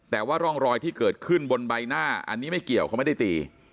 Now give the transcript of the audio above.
แต่ว่าร่องรอยที่เกิดขึ้นบนใบหน้าอันนี้ไม่เกี่ยวเขาไม่ได้ตี